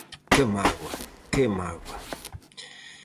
¡Que mágoa!, ¡que mágoa!